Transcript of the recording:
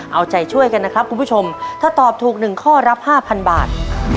เอาใจช่วยกันนะครับคุณผู้ชมถ้าตอบถูก๑ข้อรับ๕๐๐บาท